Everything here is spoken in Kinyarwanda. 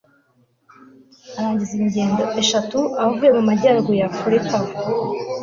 arangiza ingendo eshatu avuye mumajyaruguru ya afurika